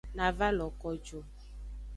Na va lo ko ju.